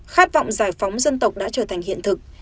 khát vọng giải phóng dân tộc đã trở thành hiện thực